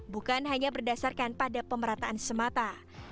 bukan hanya berdasarkan pada pemerataan semata